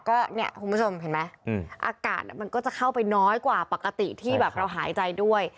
ก็เนี่ยคุณผู้ชมเห็นไหมอากาศมันก็จะเข้าไปน้อยกว่าปกติที่แบบเราหายใจด้วย